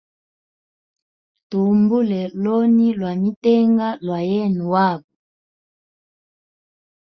Tuhumbule loni lwa mitenga lwayene wabo.